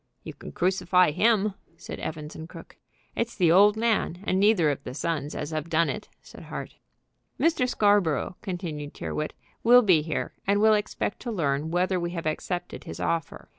"You can crucify him," said Evans & Crooke. "It is the old man, and neither of the sons, as have done it," said Hart. "Mr. Scarborough," continued Tyrrwhit, "will be here, and will expect to learn whether we have accepted his offer.